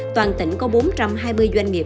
toàn tỉnh có bốn trăm hai mươi doanh nghiệp